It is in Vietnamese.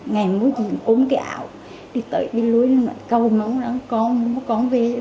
ngày mối chuyện ốm cái ảo đi tới đi lối nó lại câu mong là con không có con về